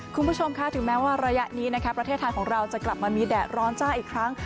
คุณผู้ชมค่ะถึงแม้ว่าระยะนี้นะคะประเทศไทยของเราจะกลับมามีแดดร้อนจ้าอีกครั้ง